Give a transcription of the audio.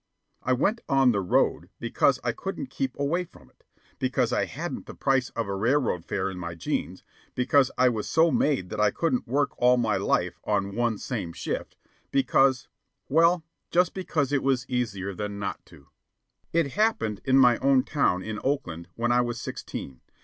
I went on "The Road" because I couldn't keep away from it; because I hadn't the price of the railroad fare in my jeans; because I was so made that I couldn't work all my life on "one same shift"; because well, just because it was easier to than not to. It happened in my own town, in Oakland, when I was sixteen.